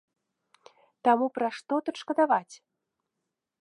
Таму пра што тут шкадаваць?